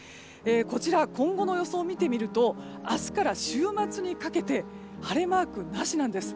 こちら、今後の予想を見てみると明日から週末にかけて晴れマークなしなんです。